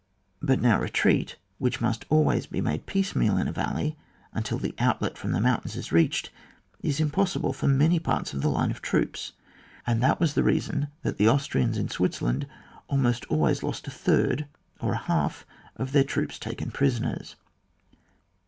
But now retreat, which must always be made piecemeal in a valley, until the outlet from the mountains is reached, is impossible for many parts of the line of troops ; and that was the reason that the Austrians in Switzerland almost always lost a third, or a half "of their troops taken prisoners.